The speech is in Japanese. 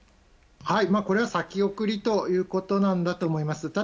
これは先送りということなんだと思います。